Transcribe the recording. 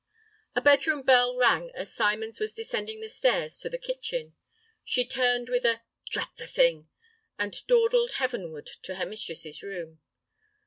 A bedroom bell rang as Symons was descending the stairs to the kitchen. She turned with a "Drat the thing!" and dawdled heavenward to her mistress's room.